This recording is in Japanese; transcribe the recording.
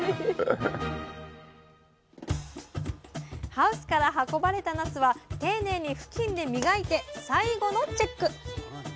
ハウスから運ばれたなすは丁寧に布巾で磨いて最後のチェック！